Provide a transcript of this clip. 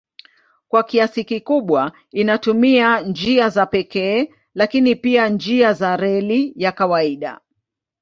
Kwa kiasi kikubwa inatumia njia za pekee lakini pia njia za reli ya kawaida.